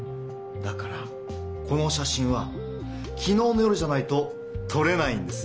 だからこの写真はきのうの夜じゃないととれないんですよ。